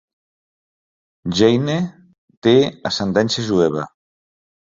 Jayne té ascendència jueva.